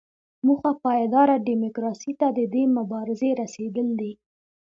موخه پایداره ډیموکراسۍ ته د دې مبارزې رسیدل دي.